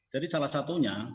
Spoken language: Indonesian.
jadi salah satunya